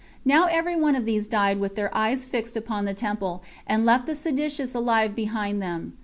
Now every one of these died with their eyes fixed upon the temple, and left the seditious alive behind them.